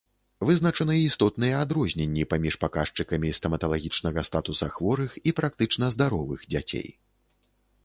Вызначаны істотныя адрозненні паміж паказчыкамі стаматалагічнага статуса хворых і практычна здаровых дзяцей.